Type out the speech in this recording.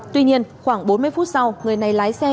tuy nhiên khoảng bốn mươi phút sau người này lái xe